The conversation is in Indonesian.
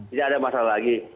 tidak ada masalah lagi